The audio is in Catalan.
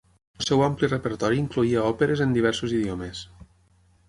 El seu ampli repertori incloïa òperes en diversos idiomes.